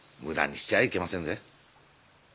無駄にしちゃあいけませんぜ。